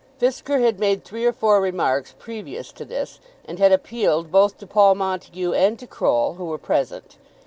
Fisker had made three or four remarks previous to this, and had appealed both to Paul Montague and to Croll, who were present.